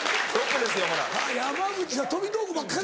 山口は飛び道具ばっかり。